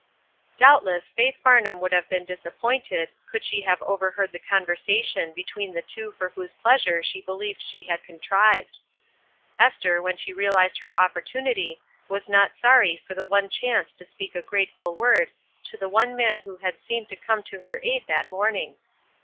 Doubtless Faith Farnham would have been disappointed could she have overheard the con versation between the two for whose pleasure she believed she had contrived. Esther, when she realized her opportunity, was not sorry for the one chance to speak a grateful word to the man who had seemed to come to her aid that morning.